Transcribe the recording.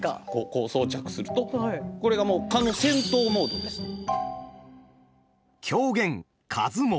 こう装着するとこれがもう狂言「蚊相撲」。